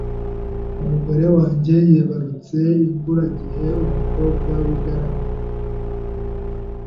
Umugore wanjye yibarutse imburagihe umukobwa w-garama .